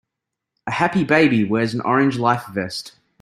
A happy baby wears an orange life vest.